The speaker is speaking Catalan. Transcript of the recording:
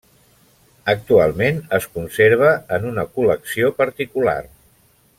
Actualment es conserva en una col·lecció particular.